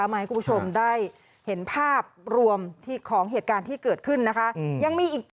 มาให้คุณผู้ชมได้เห็นภาพรวมของเหตุการณ์ที่เกิดขึ้นนะคะยังมีอีก